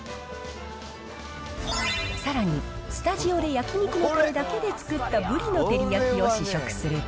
さらに、スタジオで焼き肉のたれだけで作ったブリの照り焼きを試食すると。